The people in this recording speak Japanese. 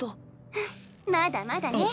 フンまだまだね！